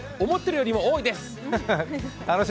思ったよりも多いです。